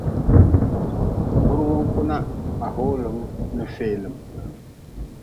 Burgun kuna ba hoolm n feelm.